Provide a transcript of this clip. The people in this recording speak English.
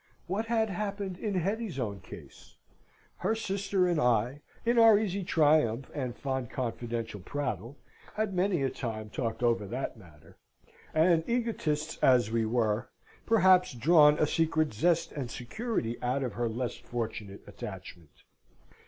What had happened in Hetty's own case? Her sister and I, in our easy triumph and fond confidential prattle, had many a time talked over that matter, and, egotists as we were, perhaps drawn a secret zest and security out of her less fortunate attachment.